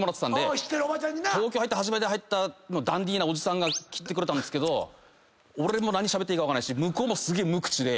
東京で初めて入ったダンディーなおじさんが切ったんですけど俺も何しゃべっていいか分かんないし向こうも無口で。